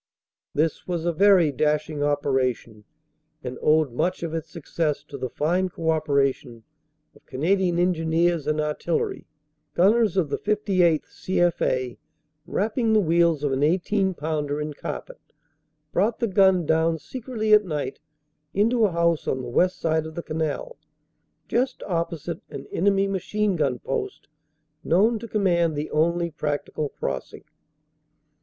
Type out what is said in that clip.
This was a very dashing operation, and owed much of its success to the fine co operation of Canadian Engineers and Artillery. Gunners of the 58th. C.F.A., wrapping the wheels of an 18 pounder in carpet, brought the gun down secretly at night into a house on the west side of the canal just opposite an enemy machine gun post, known to command the only practical crossing.